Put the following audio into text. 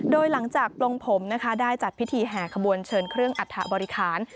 โดยหลังจากปลงผมนะคะได้จัดพิธีแห่ขบวนเชิญเครื่องอัฐบริคาร